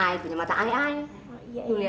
ayah punya mata ayah ayah